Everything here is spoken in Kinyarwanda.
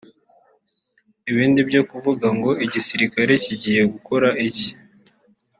Ibindi byo kuvuga ngo igisirikare kigiye gukora iki